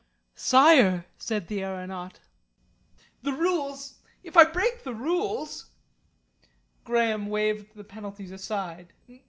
"Sire," said the aeronaut, "the rules if I break the rules " Graham waved the penalties aside.